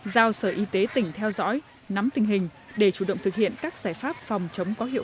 giao sở y tế tỉnh theo dõi nắm tình hình để chủ động thực hiện các giải pháp phòng chống có hiệu quả